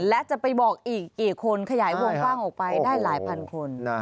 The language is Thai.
และจะไปบอกอีกกี่คนขยายวงกว้างออกไปได้หลายพันคน